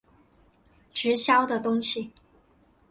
直销的东西